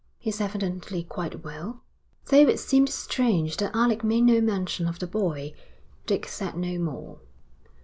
'He's evidently quite well.' Though it seemed strange that Alec made no mention of the boy, Dick said no more.